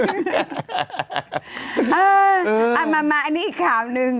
เออเออเอามาอันนี้อีกข่าวนึง